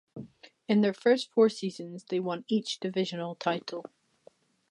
In their first four seasons they won each divisional title.